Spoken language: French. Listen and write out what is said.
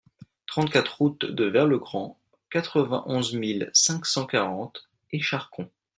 trente-quatre route de Vert le Grand, quatre-vingt-onze mille cinq cent quarante Écharcon